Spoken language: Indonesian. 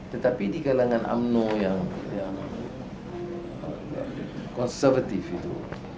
tetapi di kalangan umno yang konservatif itu